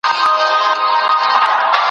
د هېواد د اوسېدونکو اخلاق په هر څه اغېز کوي.